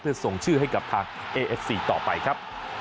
เพื่อส่งชื่อให้กับทางเอเอฟซีต่อไปครับ